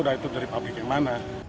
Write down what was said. udah itu dari pabrik yang mana